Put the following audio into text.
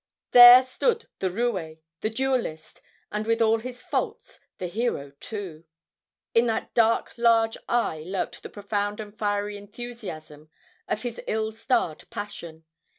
There stood the roué the duellist and, with all his faults, the hero too! In that dark large eye lurked the profound and fiery enthusiasm of his ill starred passion.